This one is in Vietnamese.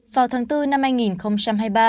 vào tháng bốn năm hai nghìn hai mươi ba